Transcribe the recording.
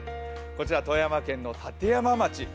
こちら富山県の立山町。